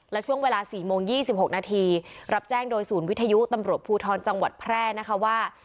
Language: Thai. และช่วงเวลา๔โมง๒๖นาทีรับแจ้งโดยศูนย์วิทยุตำรวจภูทรจังหวัดแพร่นะคะว่า